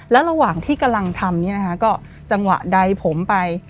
แล้วระหว่างที่กำลังทำเนี่ยนะคะก็จังหวะใดผมไป